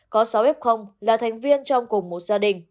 có sáu f là thành viên trong cùng một gia đình